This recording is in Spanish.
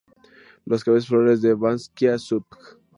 Las cabezas florales de "Banksia subg.